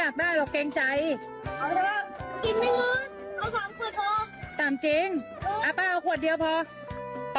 อ่าแล้วลุงด้วยอ่ะ